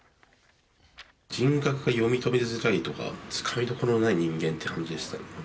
人格が読み取りづらいとか、つかみどころのない人間って感じでしたね。